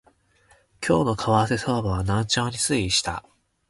今日の為替相場は軟調に推移した